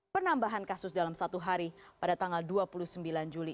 penambahan kasus dalam satu hari pada tanggal dua puluh sembilan juli